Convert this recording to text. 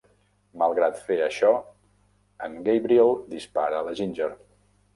Malgrat fer això, en Gabriel dispara a la Ginger.